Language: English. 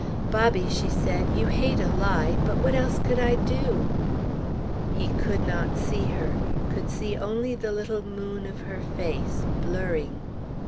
"Bobby," she said, "you hate a lie. But what else could I do?" He could not see her, could see only the little moon of her face, blurring.